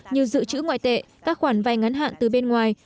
như dự trữ ngoại tệ các khoản vay ngắn hạn từ bên ngoài